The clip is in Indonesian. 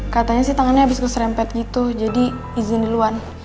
katanya sih tangannya habis keserempet gitu jadi izin duluan